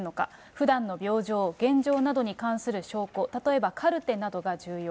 ふだんの病状、現状などに関する証拠、例えばカルテなどが重要。